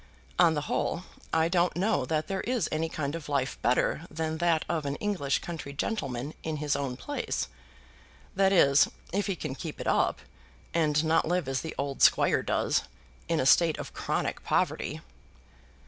On the whole I don't know that there is any kind of life better than that of an English country gentleman in his own place; that is, if he can keep it up, and not live as the old squire does, in a state of chronic poverty."